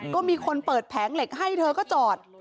ก็มีคนเปิดแผงเหล็กให้เธอก็จอด